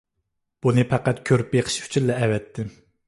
بۇنى پەقەت كۆرۈپ بېقىش ئۈچۈنلا ئەۋەتتىم.